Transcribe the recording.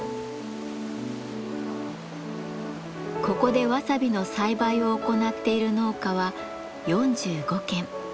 ここでわさびの栽培を行っている農家は４５軒。